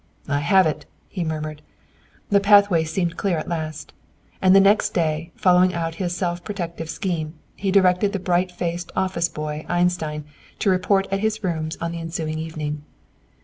"I have it!" he murmured. The pathway seemed clear at last. And the next day, following out his self protective scheme, he directed the bright faced office boy Einstein to report at his rooms on the ensuing evening.